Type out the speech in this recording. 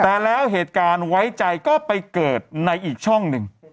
แต่แล้วเหตุการณ์ไว้ใจก็ไปเกิดในอีกช่องหนึ่ง